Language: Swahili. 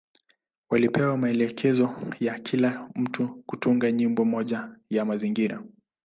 Walipewa maelekezo ya kila mtu kutunga nyimbo moja ya mazingira.